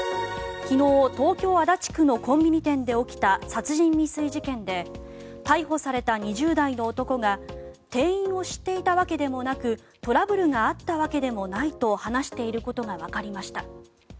昨日、東京・足立区のコンビニ店で起きた殺人未遂事件で逮捕された２０代の男が店員を知っていたわけでもなくトラブルがあったわけでもないと話していることがわかりました。